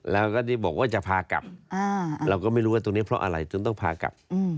แล้วก็ได้บอกว่าจะพากลับเราก็ไม่รู้ว่าตรงนี้เพราะอะไรจนต้องพากลับ